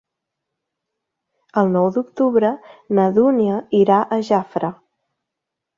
El nou d'octubre na Dúnia irà a Jafre.